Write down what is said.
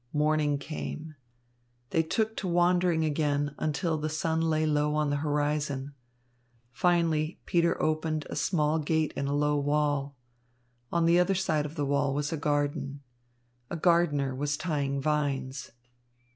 Morning came. They took to wandering again, until the sun lay low on the horizon. Finally, Peter opened a small gate in a low wall. On the other side of the wall was a garden. A gardener was tying vines.